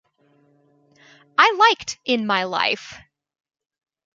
I liked 'In My Life'.